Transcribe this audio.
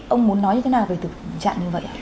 ông muốn nói như thế nào về tình trạng như vậy